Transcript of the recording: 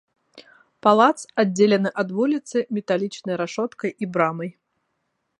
Палац аддзелены ад вуліцы металічнай рашоткай і брамай.